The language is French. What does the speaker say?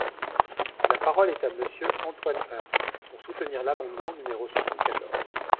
La parole est à Monsieur Antoine Herth, pour soutenir l’amendement numéro soixante-quatorze.